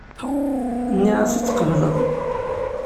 Nniɣ-as ad tqebleḍ.